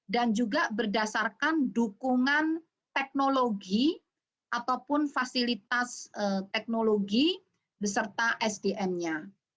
dan juga berdasarkan dukungan teknologi ataupun fasilitas teknologi beserta sdm nya